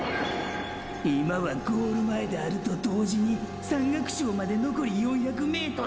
今は“ゴール前”であると同時に“山岳賞までのこり４００ｍ”や！！